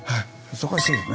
忙しいですね。